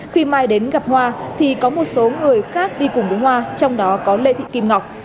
khi mai đến gặp hoa thì có một số người khác đi cùng với hoa trong đó có lê thị kim ngọc